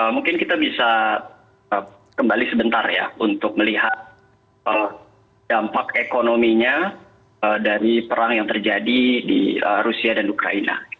mungkin kita bisa kembali sebentar ya untuk melihat dampak ekonominya dari perang yang terjadi di rusia dan ukraina